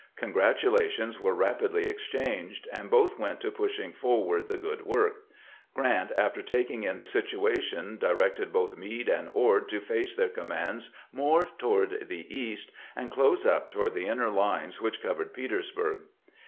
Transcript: Congratulations were rapidly exchanged, and both went to pushing forward the good work. Grant, after taking in the situation, di rected both Meade and Ord to face their commands more GRANT WEITES DESPATCHES UNDER FIRE 447 toward the east, and close up toward tte inner lines wMeli covered Petersburg.